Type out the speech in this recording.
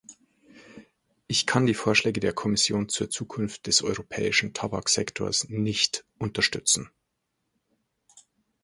Ich kann die Vorschläge der Kommission zur Zukunft des europäischen Tabaksektors nicht unterstützen.